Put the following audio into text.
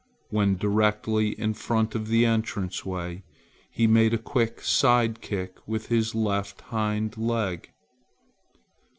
When directly in front of the entrance way, he made a quick side kick with his left hind leg.